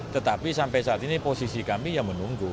tetapi sampai saat ini posisi kami ya menunggu